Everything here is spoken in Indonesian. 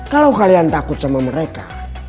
kalau kalian takut sama mereka